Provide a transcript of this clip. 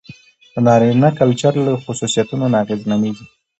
د نارينه کلچر له خصوصيتونو نه اغېزمنېږي.